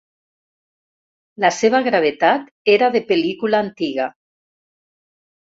La seva gravetat era de pel·lícula antiga.